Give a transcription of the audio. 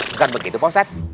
bukan begitu pak ustadz